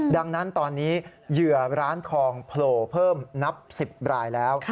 ดังนั้นตอนนี้เหยื่อร้านทองโผล่เพิ่มนับ๑๐รายแล้ว